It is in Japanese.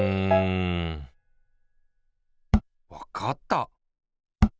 わかった！